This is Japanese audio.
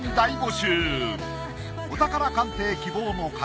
お宝鑑定希望の方